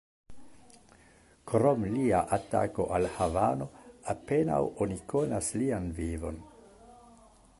Krom lia atako al Havano, apenaŭ oni konas lian vivon.